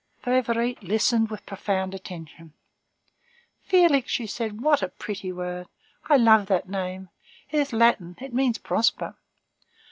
Favourite listened with profound attention. "Félix," said she, "what a pretty word! I love that name. It is Latin; it means prosper."